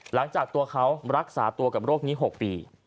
หลังจากตัวเขารักษาตัวกับโรคนี้๖ปี